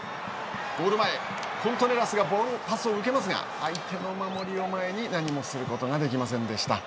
ゴール前、コントレラスがパスを受けますが相手の守りを前に何もすることができませんでした。